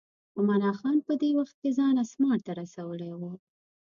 عمرا خان په دې وخت کې ځان اسمار ته رسولی و.